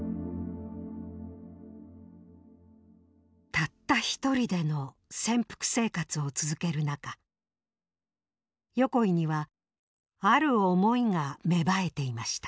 たった一人での潜伏生活を続ける中横井には「ある思い」が芽生えていました。